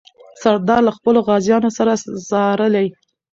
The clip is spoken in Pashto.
سردار له خپلو غازیانو سره ځارلې.